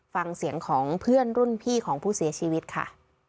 ฟังเสียงของเพื่อนรุ่นพี่ของผู้เสียชีวิตค่ะ